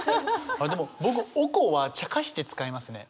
僕「おこ」はちゃかして使いますね！